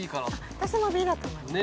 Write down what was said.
私もＢだと思います。